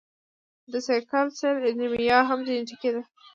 د سیکل سیل انیمیا هم جینیټیکي ده.